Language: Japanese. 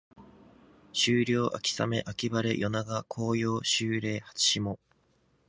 秋涼秋雨秋晴夜長紅葉秋麗初霜